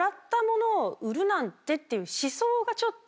っていう思想がちょっと。